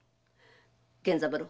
源三郎。